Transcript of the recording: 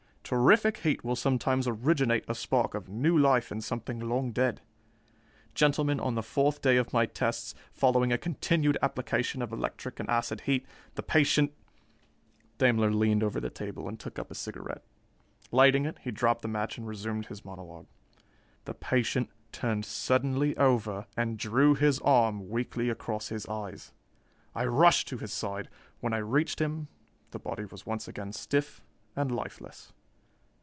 Terrific heat will sometimes originate a spark of new life in something long dead. Gentlemen, on the fourth day of my tests, following a continued application of electric and acid heat, the patient " Daimler leaned over the table and took up a cigarette. Lighting it, he dropped the match and resumed his monologue. "The patient turned suddenly over and drew his arm weakly across his eyes. I rushed to his side. When I reached him, the body was once again stiff and lifeless.